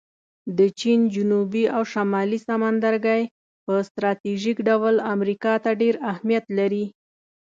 د چین جنوبي او شمالي سمندرګی په سټراټیژیک ډول امریکا ته ډېر اهمیت لري